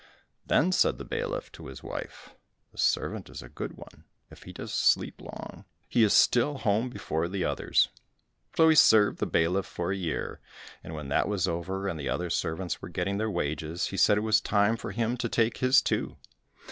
Then said the bailiff to his wife, "The servant is a good one, if he does sleep long, he is still home before the others." So he served the bailiff for a year, and when that was over, and the other servants were getting their wages, he said it was time for him to take his too.